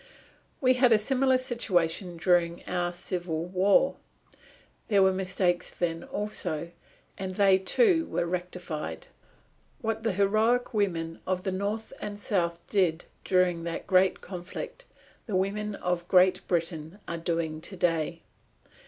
We had a similar situation during our Civil War. There were mistakes then also, and they too were rectified. What the heroic women of the North and South did during that great conflict the women of Great Britain are doing to day.